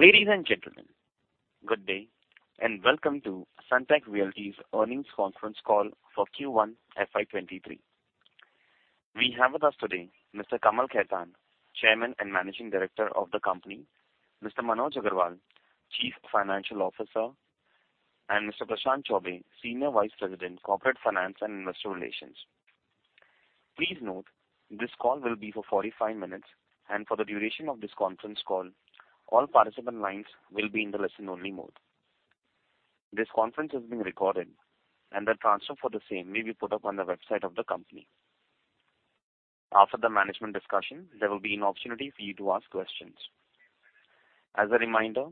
Ladies and gentlemen, good day, and welcome to Sunteck Realty's earnings conference call for Q1 FY 2023. We have with us today Mr. Kamal Khetan, Chairman and Managing Director of the company, Mr. Manoj Agarwal, Chief Financial Officer, and Mr. Prashant Chaubey, Senior Vice President, Corporate Finance and Investor Relations. Please note this call will be for 45 minutes, and for the duration of this conference call, all participant lines will be in the listen-only mode. This conference is being recorded, and the transcript for the same will be put up on the website of the company. After the management discussion, there will be an opportunity for you to ask questions. As a reminder,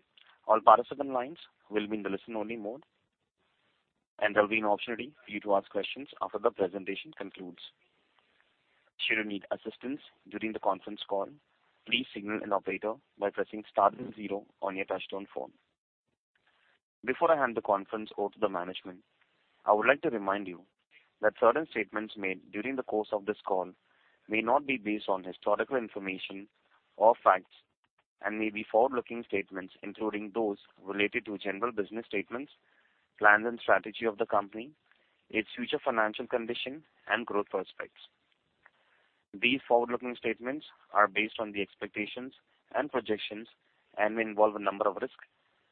all participant lines will be in the listen-only mode, and there will be an opportunity for you to ask questions after the presentation concludes. Should you need assistance during the conference call, please signal an operator by pressing star then zero on your touchtone phone. Before I hand the conference over to the management, I would like to remind you that certain statements made during the course of this call may not be based on historical information or facts and may be forward-looking statements, including those related to general business statements, plans and strategy of the company, its future financial condition and growth prospects. These forward-looking statements are based on the expectations and projections and may involve a number of risks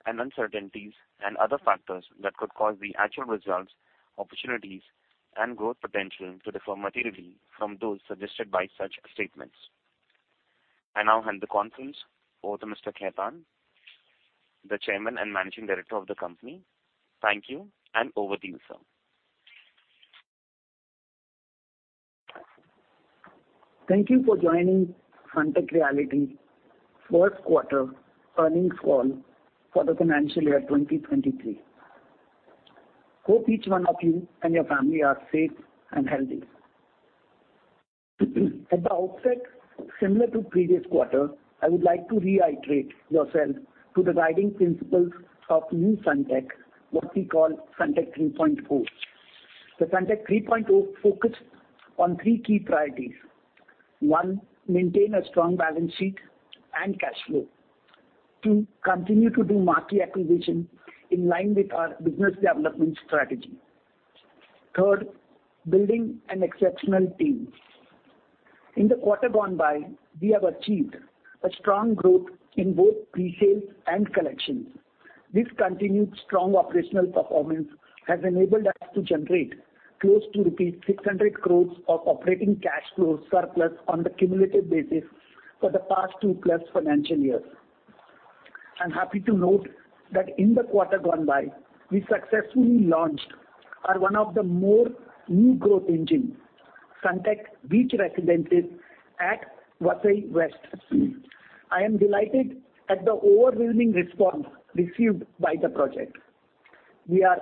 and uncertainties and other factors that could cause the actual results, opportunities, and growth potential to differ materially from those suggested by such statements. I now hand the conference over to Mr. Khetan, the Chairman and Managing Director of the company. Thank you, and over to you, sir. Thank you for joining Sunteck Realty's first quarter earnings call for the financial year 2023. Hope each one of you and your family are safe and healthy. At the outset, similar to previous quarter, I would like to reiterate yourself to the guiding principles of new Sunteck, what we call Sunteck 3.0. The Sunteck 3.0 focus on three key priorities. One, maintain a strong balance sheet and cash flow. Two, continue to do market acquisition in line with our business development strategy. Third, building an exceptional team. In the quarter gone by, we have achieved a strong growth in both pre-sales and collections. This continued strong operational performance has enabled us to generate close to rupees 600 crore of operating cash flow surplus on the cumulative basis for the past 2+ financial years. I'm happy to note that in the quarter gone by, we successfully launched one of our new growth engines, Sunteck Beach Residences at Vasai West. I am delighted at the overwhelming response received by the project. We are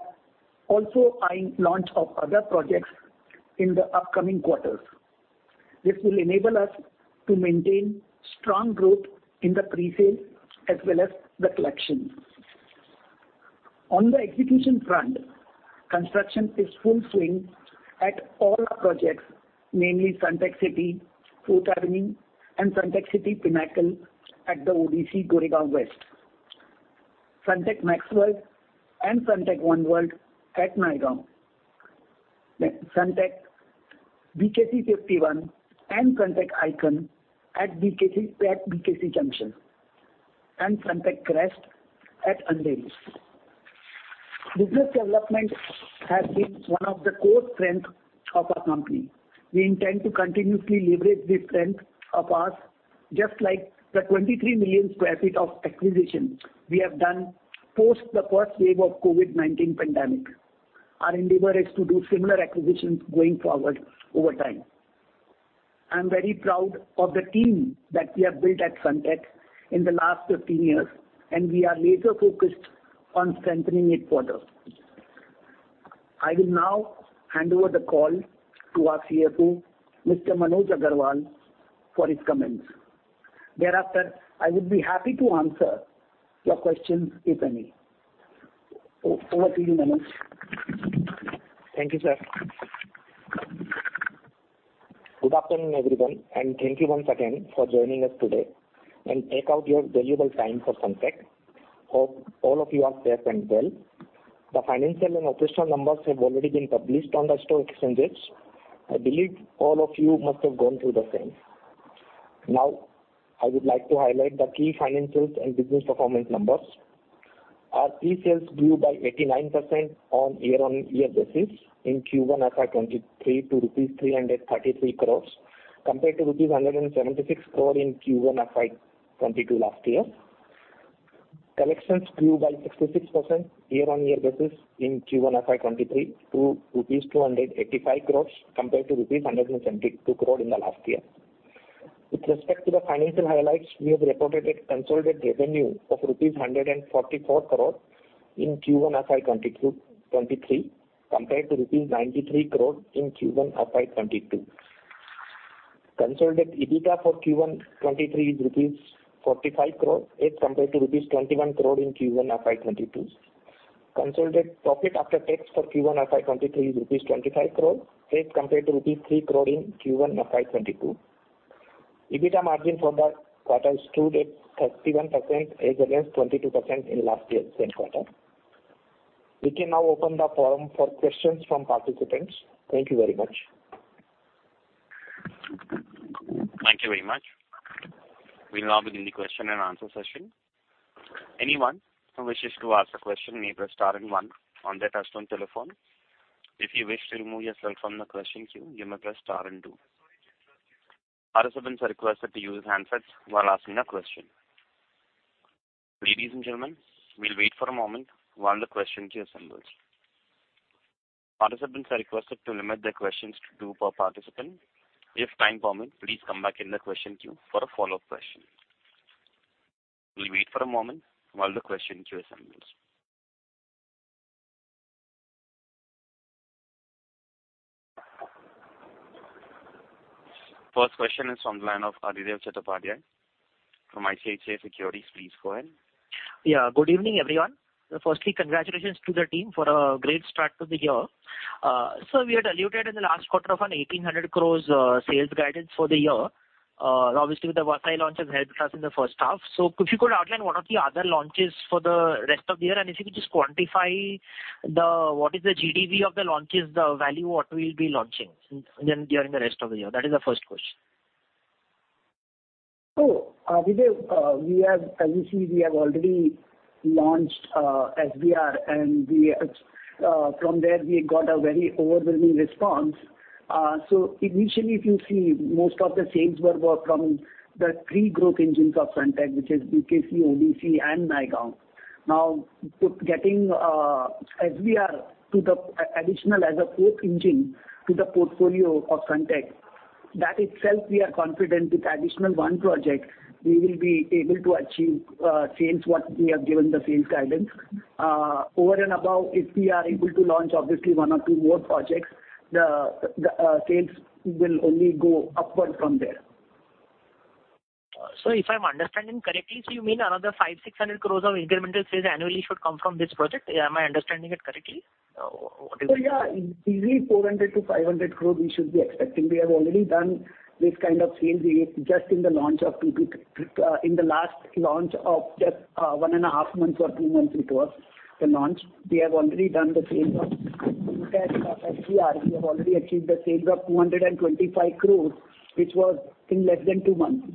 also eyeing launch of other projects in the upcoming quarters. This will enable us to maintain strong growth in the pre-sales as well as the collections. On the execution front, construction is in full swing at all our projects, namely Sunteck City Fourth Avenue and Sunteck City Pinnacle at the ODC, Goregaon West. Sunteck Maxxworld and Sunteck One World at Naigaon. Sunteck BKC 51 and Sunteck Icon at BKC, at BKC Junction and Sunteck Crest at Andheri East. Business development has been one of the core strengths of our company. We intend to continuously leverage this strength of ours, just like the 23 million sq ft of acquisition we have done post the first wave of COVID-19 pandemic. Our endeavor is to do similar acquisitions going forward over time. I'm very proud of the team that we have built at Sunteck in the last 15 years, and we are laser-focused on strengthening it further. I will now hand over the call to our CFO, Mr. Manoj Agarwal, for his comments. Thereafter, I would be happy to answer your questions, if any. Over to you, Manoj. Thank you, sir. Good afternoon, everyone, and thank you once again for joining us today and take out your valuable time for Sunteck. Hope all of you are safe and well. The financial and operational numbers have already been published on the stock exchanges. I believe all of you must have gone through the same. Now, I would like to highlight the key financials and business performance numbers. Our pre-sales grew by 89% on year-on-year basis in Q1 FY 2023 to 333 crore rupees compared to 176 crore in Q1 FY 2022 last year. Collections grew by 66% year-on-year basis in Q1 FY 2023 to rupees 285 crore compared to rupees 172 crore in the last year. With respect to the financial highlights, we have reported a consolidated revenue of rupees 144 crore in Q1 FY 2022-23 compared to rupees 93 crore in Q1 FY 2022. Consolidated EBITDA for Q1 2023 is rupees 45 crore as compared to rupees 21 crore in Q1 FY 2022. Consolidated profit after tax for Q1 FY2023 rupees 25 crore as compared to rupees 3 crore in Q1 FY2022. EBITDA margin for the quarter stood at 31% as against 22% in last year's same quarter. We can now open the forum for questions from participants. Thank you very much. Thank you very much. We now begin the question and answer session. Anyone who wishes to ask a question may press star and one on their touchtone telephone. If you wish to remove yourself from the question queue, you may press star and two. Participants are requested to use handsets while asking a question. Ladies and gentlemen, we'll wait for a moment while the question queue assembles. Participants are requested to limit their questions to two per participant. If time permits, please come back in the question queue for a follow-up question. We'll wait for a moment while the question queue assembles. First question is from the line of Adhidev Chattopadhyay from ICICI Securities. Please go ahead. Yeah, good evening, everyone. Firstly, congratulations to the team for a great start to the year. We had alluded in the last quarter to an 1,800 crores sales guidance for the year. Obviously, with the Vasai launch has helped us in the first half. If you could outline what are the other launches for the rest of the year, and if you could just quantify what is the GDV of the launches, the value what we'll be launching then during the rest of the year. That is the first question. Adhidev, as you see, we have already launched SBR and we from there we got a very overwhelming response. Initially, if you see, most of the sales were from the three growth engines of Sunteck, which is BKC, ODC, and Naigaon. Now, with getting SBR to the additional as a fourth engine to the portfolio of Sunteck, that itself we are confident with additional one project we will be able to achieve sales what we have given the sales guidance. Over and above, if we are able to launch obviously one or two more projects, the sales will only go upward from there. If I'm understanding correctly, so you mean another 500-600 crores of incremental sales annually should come from this project? Am I understanding it correctly? What do you think? Yeah, easily 400 crore-500 crore we should be expecting. We have already done this kind of sales just in the last launch of just one and a half months or two months it was, the launch. We have already done the sales of Sunteck's SBR. We have already achieved the sales of 225 crores, which was in less than two months.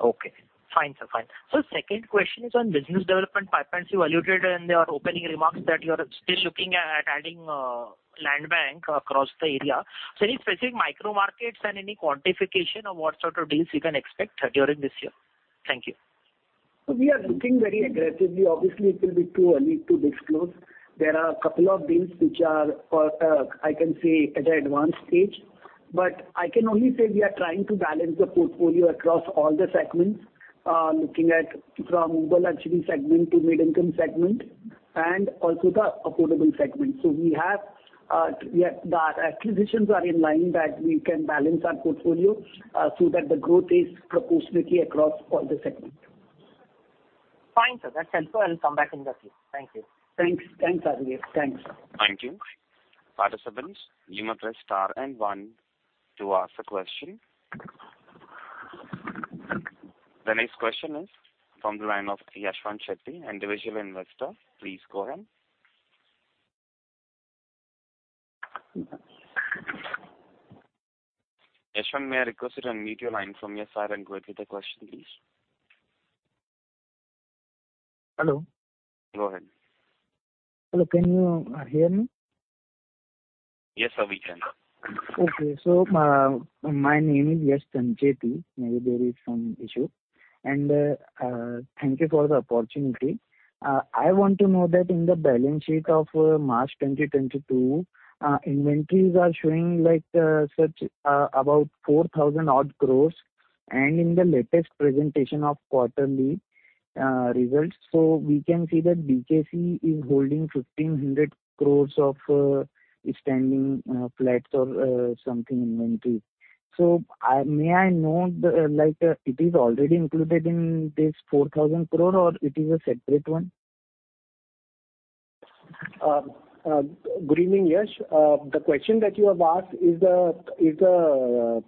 Okay. Fine, sir. Fine. Second question is on business development pipelines. You alluded in your opening remarks that you are still looking at adding land bank across the area. Any specific micro markets and any quantification of what sort of deals we can expect during this year? Thank you. We are looking very aggressively. Obviously, it will be too early to disclose. There are a couple of deals which are, I can say at an advanced stage. I can only say we are trying to balance the portfolio across all the segments, looking at from ultra luxury segment to mid-income segment and also the affordable segment. We have, the acquisitions are in line that we can balance our portfolio, so that the growth is proportionately across all the segment. Fine, sir. That's helpful. I'll come back in the queue. Thank you. Thanks. Thanks, Adhidev. Thanks. Thank you. Participants, you may press star and one to ask a question. The next question is from the line of Yashwant Shetty, Individual Investor. Please go ahead. Yashwant, may I request you to unmute your line from your side and go ahead with the question, please. Hello. Go ahead. Hello, can you hear me? Yes, sir. We can. Okay. My name is Yashwant Shetty. Maybe there is some issue. Thank you for the opportunity. I want to know that in the balance sheet of March 2022, inventories are showing like, sir, about 4,000 crore. In the latest presentation of quarterly results, we can see that BKC is holding 1,500 crore of standing flats or something inventory. May I know, like, it is already included in this 4,000 crore or it is a separate one? Good evening, Yash. The question that you have asked is the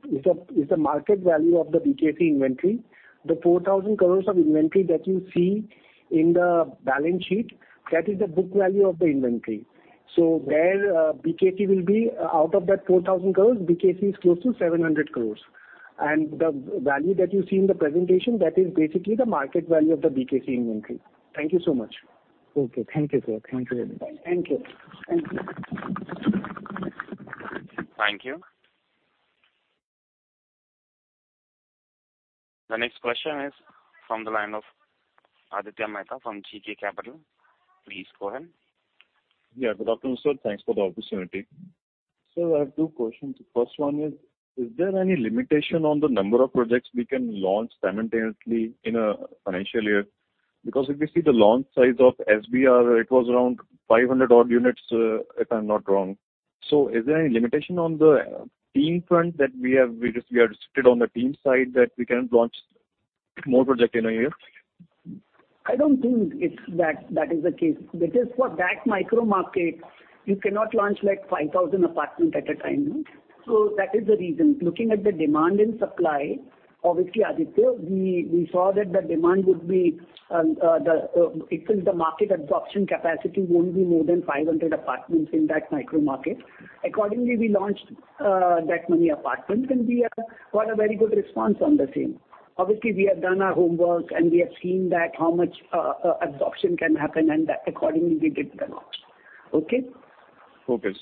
market value of the BKC inventory. The 4,000 crores of inventory that you see in the balance sheet, that is the book value of the inventory. BKC will be out of that 4,000 crores, BKC is close to 700 crores. The value that you see in the presentation, that is basically the market value of the BKC inventory. Thank you so much. Okay. Thank you, sir. Thank you very much. Thank you. Thank you. Thank you. The next question is from the line of Aditya Mehta from GK Capital. Please go ahead. Yeah. Good afternoon, sir. Thanks for the opportunity. Sir, I have two questions. First one is there any limitation on the number of projects we can launch simultaneously in a financial year? Because if we see the launch size of SBR, it was around 500 odd units, if I'm not wrong. Is there any limitation on the team front that we are restricted on the team side that we can launch only- More project in a year? I don't think it's that is the case. Because for that micro market, you cannot launch like 5,000 apartments at a time. That is the reason. Looking at the demand and supply, obviously, Aditya, we saw that the demand would be the market absorption capacity won't be more than 500 apartments in that micro market. Accordingly, we launched that many apartments, and we got a very good response on the same. Obviously, we have done our homework, and we have seen that how much absorption can happen, and accordingly we did the launch. Okay? Okay.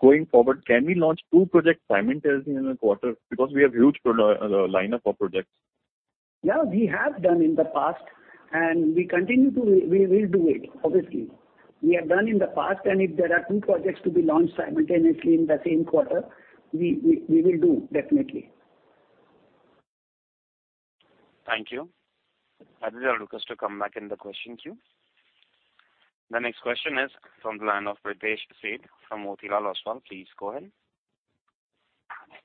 Going forward, can we launch two projects simultaneously in a quarter? Because we have huge lineup of projects. Yeah, we have done in the past, and we continue to. We will do it, obviously. We have done in the past, and if there are two projects to be launched simultaneously in the same quarter, we will do, definitely. Thank you. Aditya Mehta to come back in the question queue. The next question is from the line of Pritesh Sheth from Motilal Oswal. Please go ahead.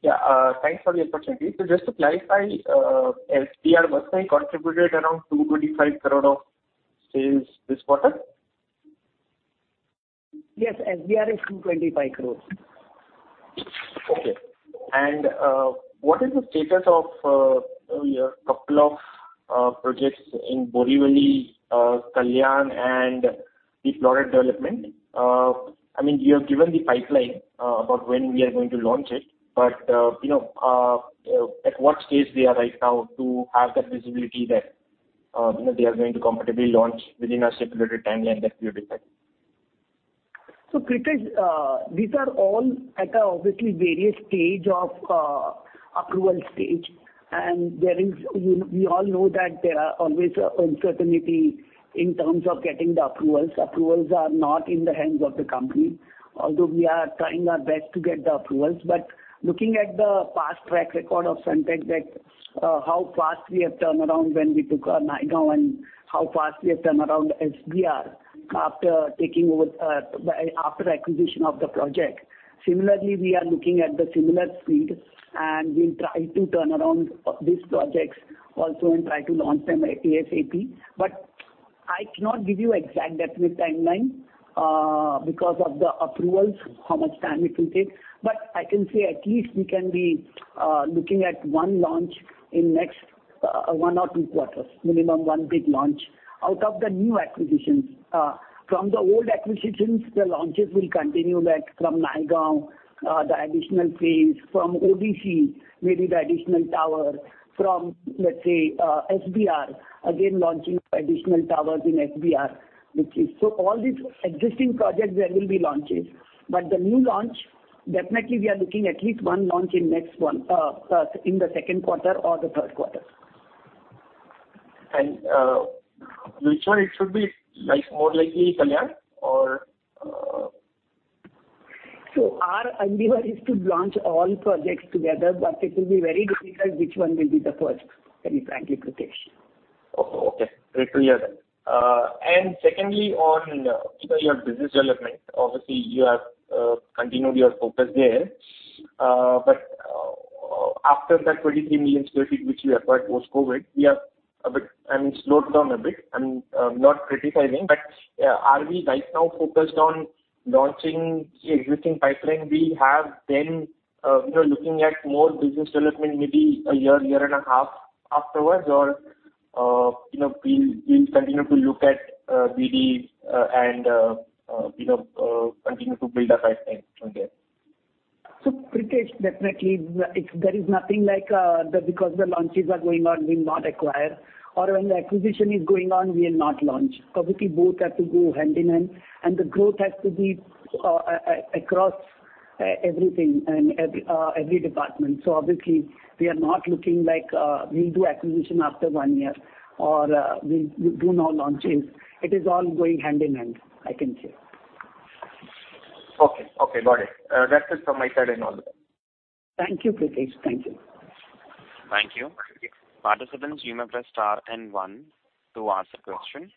Yeah, thanks for the opportunity. Just to clarify, SBR Vasai contributed around 225 crore of sales this quarter? Yes. SBR is 225 crores. Okay. What is the status of your couple of projects in Borivali, Kalyan and the Vasai development? I mean, you have given the pipeline about when we are going to launch it, but you know, at what stage they are right now to have that visibility that you know, they are going to comfortably launch within a stipulated timeline that you have set. Pritesh, these are all at obviously various stage of approval stage. We all know that there are always uncertainty in terms of getting the approvals. Approvals are not in the hands of the company. Although we are trying our best to get the approvals. Looking at the past track record of Sunteck, that how fast we have turned around when we took Naigaon and how fast we have turned around SBR after acquisition of the project. Similarly, we are looking at the similar speed, and we'll try to turn around these projects also and try to launch them ASAP. I cannot give you exact definite timeline because of the approvals, how much time it will take. I can say at least we can be looking at one launch in next one or two quarters, minimum 1 big launch out of the new acquisitions. From the old acquisitions, the launches will continue, like from Naigaon, the additional phase, from ODC, maybe the additional tower, from, let's say, SBR, again, launching additional towers in SBR. So all these existing projects, there will be launches. The new launch, definitely we are looking at least one launch in next one in the second quarter or the third quarter. Which one it should be? Like, more likely Kalyan or Our endeavor is to launch all projects together, but it will be very difficult which one will be the first, very frankly, Pritesh. Okay. Very clear then. Secondly, on your business development, obviously you have continued your focus there. After that 23 million sq ft which you acquired post-COVID, we have a bit, I mean, slowed down a bit. I'm not criticizing, but are we right now focused on launching the existing pipeline we have, then you know looking at more business development maybe a year and a half afterwards? Or you know we'll continue to look at BD and you know continue to build the pipeline from there? Pritesh, definitely it's there is nothing like because the launches are going on, we'll not acquire. Or when the acquisition is going on, we'll not launch. Obviously, both have to go hand in hand, and the growth has to be across everything and every department. Obviously we are not looking like we'll do acquisition after one year or we'll do no launches. It is all going hand in hand, I can say. Okay. Okay, got it. That's it from my side and all. Thank you, Pritesh. Thank you. Thank you. Participants, you may press star and one to ask a question.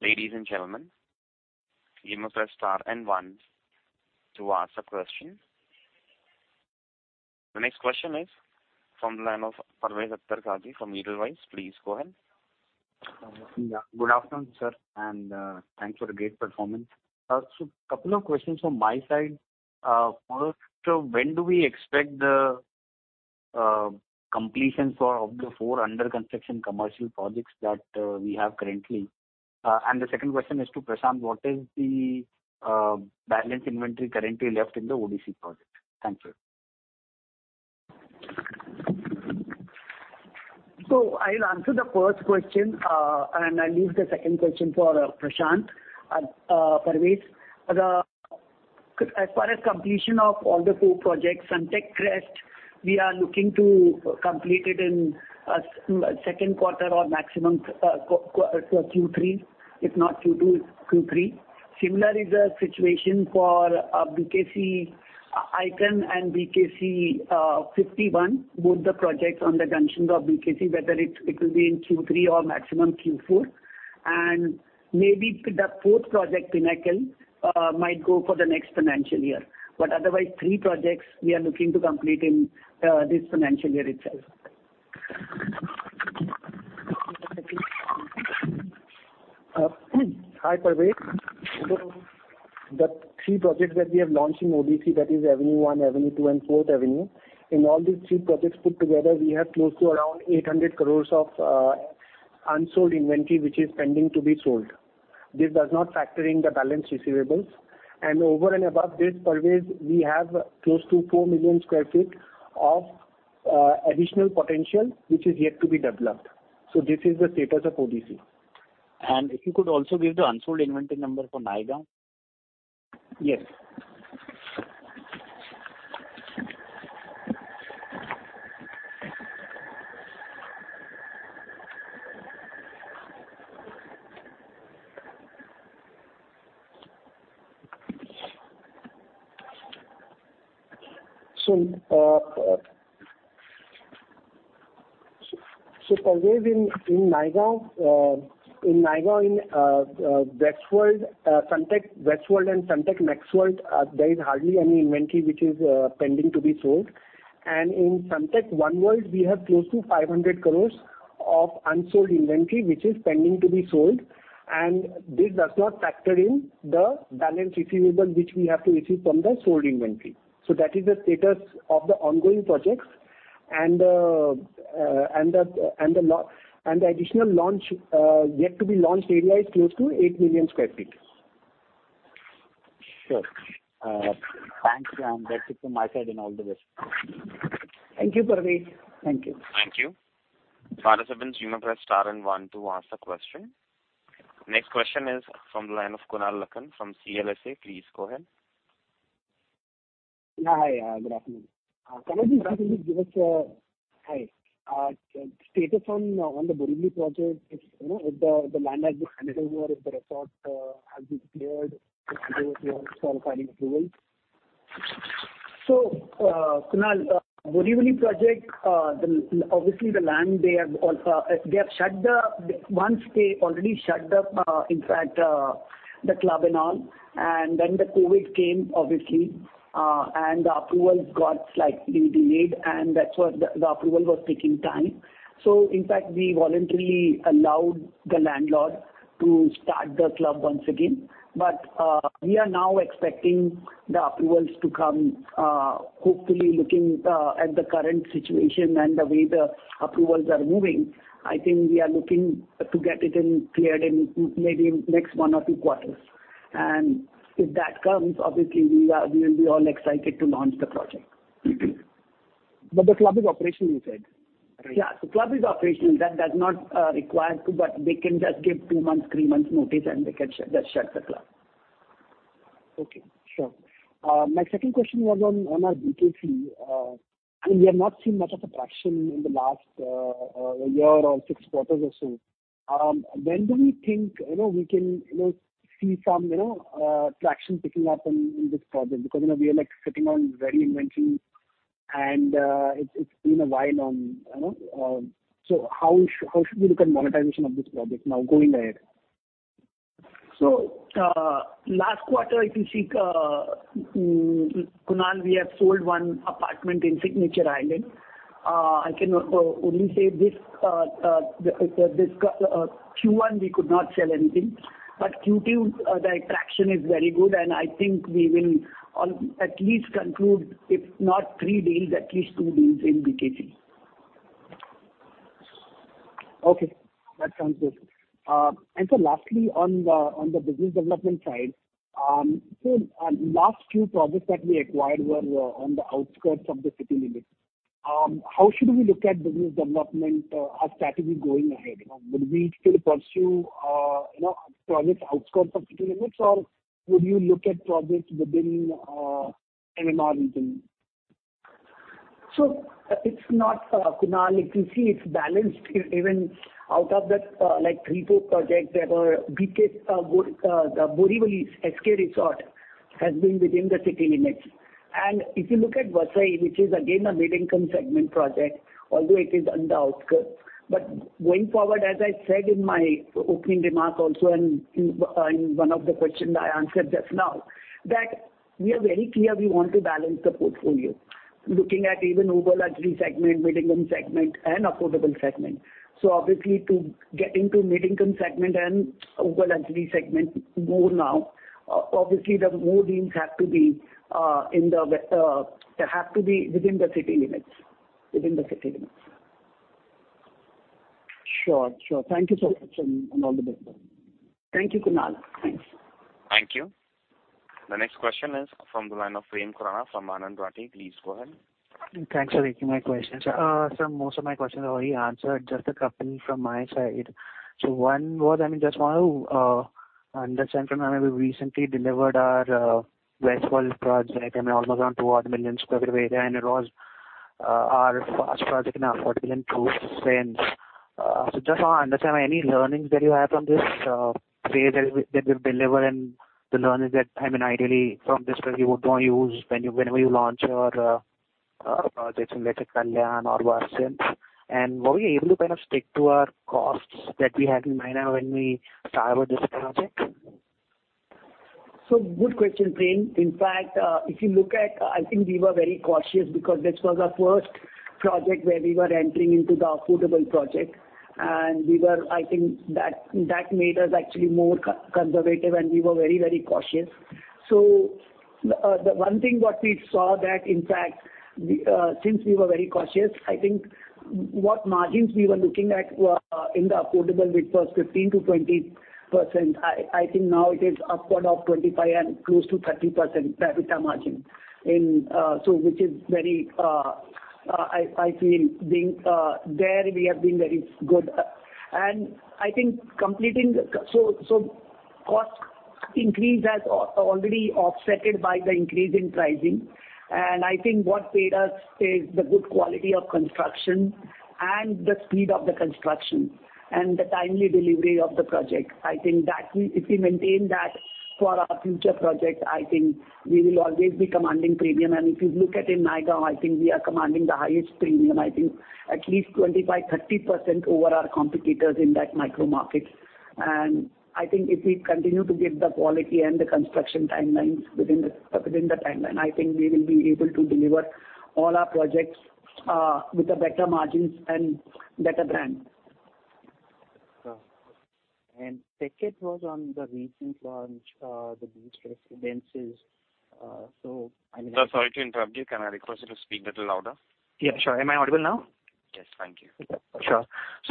Ladies and gentlemen, you may press star and one to ask a question. The next question is from the line of Parvez Akhtar Qazi from Edelweiss. Please go ahead. Good afternoon, sir, and thanks for the great performance. Couple of questions from my side. First, when do we expect the completions of the four under-construction commercial projects that we have currently? The second question is to Prashant. What is the balance inventory currently left in the ODC project? Thank you. I'll answer the first question, and I'll leave the second question for Prashant. Parvez, as far as completion of all the 4 projects, Sunteck Crest, we are looking to complete it in second quarter or maximum Q3. If not Q2, Q3. Similar is the situation for Sunteck Icon and Sunteck BKC 51, both the projects on the junction of BKC, whether it will be in Q3 or maximum Q4. Maybe the fourth project, Sunteck Pinnacle, might go for the next financial year. Otherwise, three projects we are looking to complete in this financial year itself. Hi, Parvez. The three projects that we have launched in ODC, that is Avenue One, Avenue Two and Fourth Avenue. In all these three projects put together, we have close to around 800 crore of unsold inventory which is pending to be sold. This does not factor in the balance receivables. Over and above this, Parvez, we have close to 4 million sq ft of additional potential which is yet to be developed. This is the status of ODC. If you could also give the unsold inventory number for Naigaon. Yes. Parvez, in Naigaon, in Sunteck Westworld and Sunteck One World, there is hardly any inventory which is pending to be sold. In Sunteck One World, we have close to 500 crore of unsold inventory, which is pending to be sold. This does not factor in the balance receivable, which we have to receive from the sold inventory. That is the status of the ongoing projects and the additional launch yet to be launched area is close to 8 million sq ft. Sure. Thanks, and that's it from my side, and all the best. Thank you, Parvez. Thank you. Thank you. Participants, you may press star and one to ask a question. Next question is from the line of Kunal Lakhan from CLSA. Please go ahead. Hi. Good afternoon. Can I just briefly give us Hi. Status on the Borivali project, if you know, if the land has been handed over, if the RERA has been cleared for filing approval? Kunal, Borivali project, obviously the land. Once they already shut the club and all, and then the COVID came, obviously, and the approvals got slightly delayed, and that's why the approval was taking time. In fact, we voluntarily allowed the landlord to start the club once again. We are now expecting the approvals to come, hopefully looking at the current situation and the way the approvals are moving. I think we are looking to get it cleared in maybe next one or two quarters. If that comes, obviously we will be all excited to launch the project. Mm-hmm. The club is operational, you said, right? Yeah, the club is operational. That does not require too, but they can just give two months, three months notice, and they can just shut the club. Okay, sure. My second question was on our BKC. I mean, we have not seen much of a traction in the last year or six quarters or so. When do we think, you know, we can, you know, see some, you know, traction picking up in this project? Because, you know, we are like sitting on heavy inventory and it's been a while, you know. How should we look at monetization of this project now going ahead? Last quarter, if you see, Kunal, we have sold one apartment in Signature Island. I can only say this Q1, we could not sell anything. Q2, the traction is very good, and I think we will at least conclude, if not three deals, at least two deals in BKC. Okay, that sounds good. Sir, lastly, on the business development side, last few projects that we acquired were on the outskirts of the city limits. How should we look at business development as strategy going ahead? You know, would we still pursue, you know, projects outskirts of city limits, or would you look at projects within MMR region? It's not, Kunal, if you see it's balanced. Even out of that, like three, four projects that were BKC, Borivali's SK Resort has been within the city limits. If you look at Vasai, which is again a mid-income segment project, although it is on the outskirts. Going forward, as I said in my opening remarks also and in one of the questions I answered just now, that we are very clear we want to balance the portfolio. Looking at even upper luxury segment, mid-income segment and affordable segment. Obviously to get into mid-income segment and upper luxury segment more now, obviously the more deals have to be, they have to be within the city limits. Within the city limits. Sure. Thank you so much, and all the best. Thank you, Kunal. Thanks. Thank you. The next question is from the line of Prem Khurana from Anand Rathi. Please go ahead. Thanks for taking my questions. Sir, most of my questions are already answered, just a couple from my side. One was, I mean, just want to understand from, I mean, we recently delivered our Westworld project. I mean, almost around 2 million sq ft area, and it was our first project in affordable and true sense. Just want to understand any learnings that you have from this phase that we've delivered and the learnings that, I mean, ideally from this project you would want to use when you, whenever you launch your or projects in let's say Kalyan or Vasai. Were you able to kind of stick to our costs that we had in mind now when we started this project? Good question, Prem. In fact, if you look at, I think we were very cautious because this was our first project where we were entering into the affordable project. We were, I think that made us actually more conservative, and we were very, very cautious. The one thing we saw that in fact, since we were very cautious, I think what margins we were looking at were in the affordable, which was 15%-20%. I think now it is upward of 25% and close to 30% EBITDA margin. Which is very, I feel being there, we have been very good. I think so cost increase has already offset by the increase in pricing. I think what paid us is the good quality of construction and the speed of the construction and the timely delivery of the project. I think that If we maintain that for our future projects, I think we will always be commanding premium. If you look at in Naigaon, I think we are commanding the highest premium, I think at least 25%-30% over our competitors in that micro market. I think if we continue to give the quality and the construction timelines within the timeline, I think we will be able to deliver all our projects with a better margins and better brand. Second was on the recent launch, the Beach Residences. I mean- Sir, sorry to interrupt you. Can I request you to speak little louder? Yeah, sure. Am I audible now? Yes. Thank you. Sure.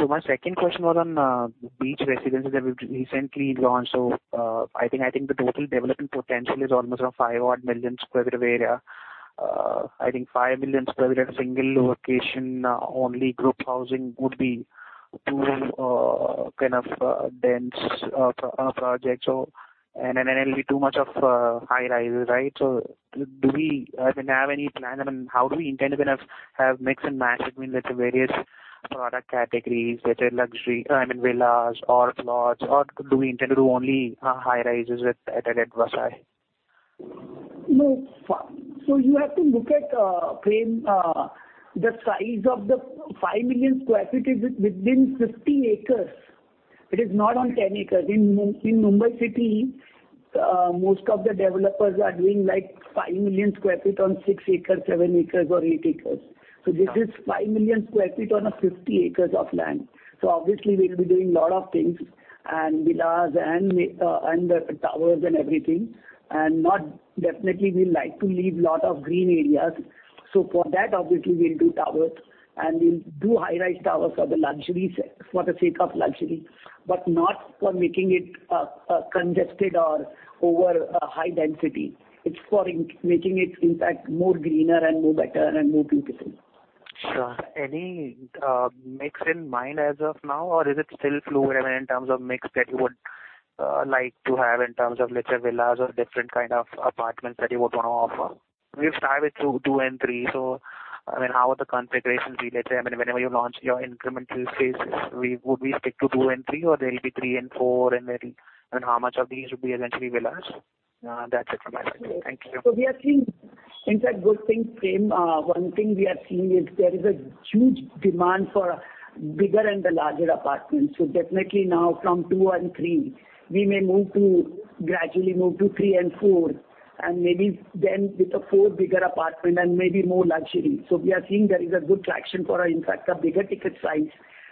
My second question was on Beach Residences that we've recently launched. I think the total development potential is almost around 5 million sq ft of area. I think 5 million sq ft at a single location only group housing would be too kind of dense of a project. It'll be too much of high-rises, right? Do we have any plans? I mean, how do we intend to kind of have mix and match between the various product categories, let's say luxury, I mean, villas or plots? Or do we intend to do only high-rises at Vasai? No. You have to look at Prem, the size of the 5 million sq ft is within 50 acres. It is not on 10 acres. In Mumbai city, most of the developers are doing like 5 million sq ft on six acres, seven acres or eight acres. This is 5 million sq ft on a 50 acres of land. Obviously we'll be doing lot of things and villas and the towers and everything. Not definitely we like to leave lot of green areas. For that obviously we'll do towers and we'll do high-rise towers for the sake of luxury, but not for making it congested or over a high density. It's for making it in fact more greener and more better and more beautiful. Sure. Any mix in mind as of now, or is it still fluid, I mean, in terms of mix that you would like to have in terms of let's say villas or different kind of apartments that you would wanna offer? We've started with two and three, so I mean, how would the configurations be? Let's say, I mean, whenever you launch your incremental phases, would we stick to two and three or there'll be three and four? And how much of these would be eventually villas? That's it from my side. Thank you. We are seeing. In fact, good thing, Prem, one thing we are seeing is there is a huge demand for bigger and the larger apartments. Definitely now from two and three, we may move to gradually move to three and four, and maybe then with a four bigger apartment and maybe more luxury. We are seeing there is a good traction for our, in fact, a bigger ticket size.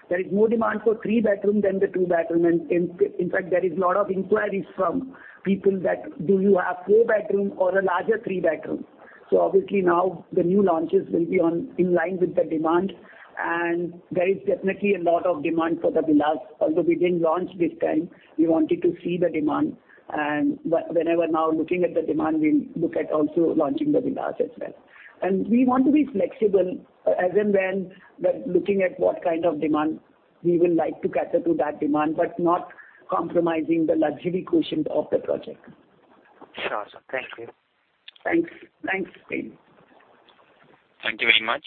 There is more demand for three bedroom than the two bedroom. In fact, there is a lot of inquiries from people that, "Do you have four bedroom or a larger three bedroom?" Obviously now the new launches will be in line with the demand, and there is definitely a lot of demand for the villas. Although we didn't launch this time, we wanted to see the demand. Whenever now looking at the demand, we'll look at also launching the villas as well. We want to be flexible as and when looking at what kind of demand we would like to cater to that demand, but not compromising the luxury quotient of the project. Sure. Thank you. Thanks. Thanks, Prem. Thank you very much.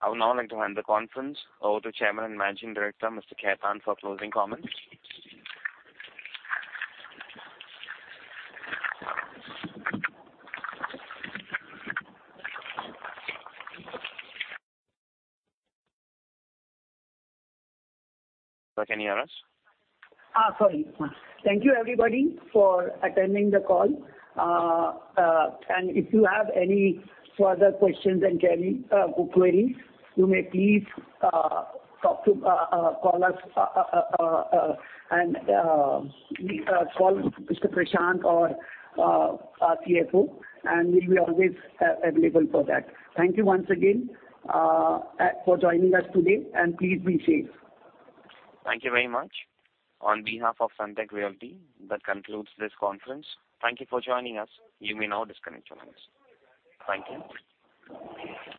I would now like to hand the conference over to Chairman and Managing Director, Mr. Kamal Khetan for closing comments. Sir, can you hear us? Sorry. Thank you, everybody, for attending the call. If you have any further questions and queries, you may please call us and call Mr. Prashant or our CFO, and we'll be always available for that. Thank you once again for joining us today, and please be safe. Thank you very much. On behalf of Sunteck Realty, that concludes this conference. Thank you for joining us. You may now disconnect your lines. Thank you.